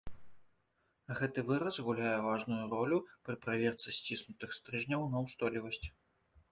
Гэты выраз гуляе важную ролю пры праверцы сціснутых стрыжняў на ўстойлівасць.